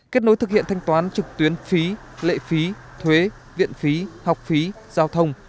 kết nối thực hiện thanh toán trực tuyến phí lệ phí thuế viện phí học phí giao thông